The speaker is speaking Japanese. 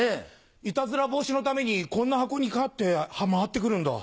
いたずら防止のためにこんな箱に入って回ってくるんだ。